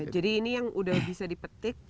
jadi ini yang sudah bisa dipetik